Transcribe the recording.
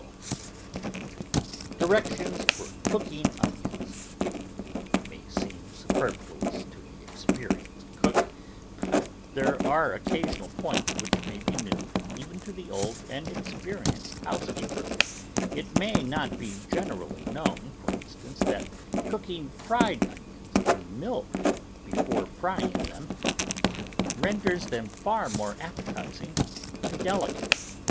THE VEGETABLE GARDEN DIRECTIONS FOR COOKING ONIONS May seem superfluous to the experienced cook, but there are occasional points which may be new even to an old and experienced housekeeper; it may not be generally known, for instance, that cooking fried onions in milk before frying them renders them far more appetising and delicate.